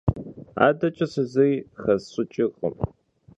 АдэкӀэ сэ зыри хэсщӀыкӀыркъым.